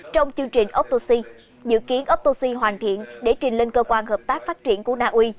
trong chương trình optosi dự kiến optosi hoàn thiện để trình lên cơ quan hợp tác phát triển của naui